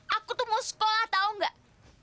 aku tuh mau sekolah tau gak